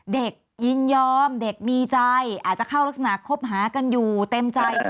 ยินยอมเด็กมีใจอาจจะเข้ารักษณะคบหากันอยู่เต็มใจ